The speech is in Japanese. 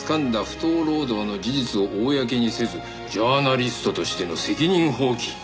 不当労働の事実を公にせずジャーナリストとしての責任放棄」。